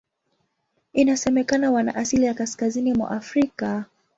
Inasemekana wana asili ya Kaskazini mwa Afrika.